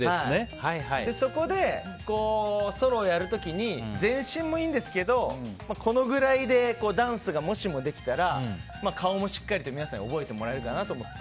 そこでソロをやる時に全身もいいんですけどこのぐらいでダンスがもしもできたら顔もしっかりと皆さんに覚えてもらえるかなって。